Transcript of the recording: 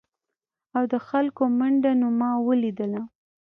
او د خلکو منډه نو ما ولیدله ؟